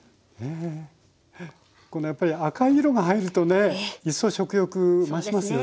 このやっぱり赤い色が入るとね一層食欲増しますよね。